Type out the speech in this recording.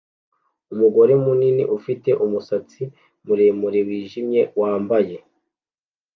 Umugore munini ufite umusatsi muremure wijimye wambaye